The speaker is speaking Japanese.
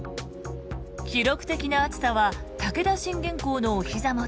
記録的な暑さは武田信玄公のおひざ元